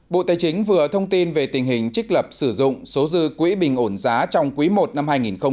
bộ tài chính vừa thông tin về tình hình trích lập sử dụng số dư quỹ bình ổn giá trong quý i năm hai nghìn hai mươi